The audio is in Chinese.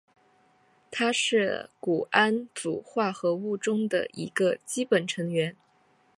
它是钴胺族化合物中的一个基本成员。